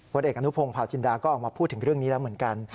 เด็กอนุพงศาวจินดาก็ออกมาพูดถึงเรื่องนี้แล้วเหมือนกัน